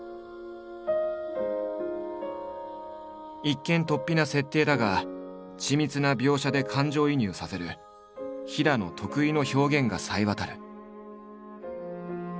一見とっぴな設定だが緻密な描写で感情移入させる平野得意の表現が冴え渡る。